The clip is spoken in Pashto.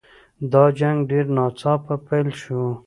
دا جنګ ډېر ناڅاپه پیل شو.